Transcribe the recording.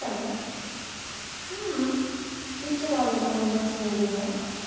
いつまでこの町にいるの？